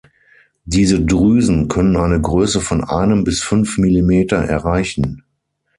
Diese Drüsen können eine Größe von einem bis fünf Millimeter erreichen.